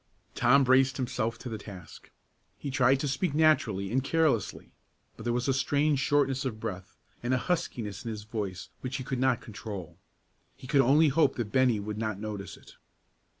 Tom braced himself to the task. He tried to speak naturally and carelessly, but there was a strange shortness of breath, and a huskiness in his voice which he could not control; he could only hope that Bennie would not notice it.